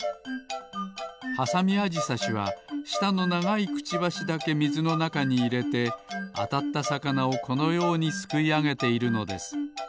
ハサミアジサシはしたのながいクチバシだけみずのなかにいれてあたったさかなをこのようにすくいあげているのです。